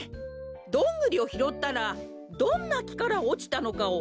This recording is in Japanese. どんぐりをひろったらどんなきからおちたのかをみあげてみましょう。